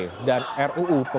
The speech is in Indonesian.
tidak serahkan jawab jawab